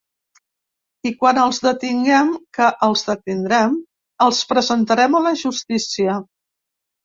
I quan els detinguem -que els detindrem-, els presentarem a la justícia.